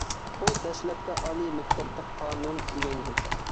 ئۇ دەسلەپتە ئالىي مەكتەپتە قانۇن ئۆگەنگەن.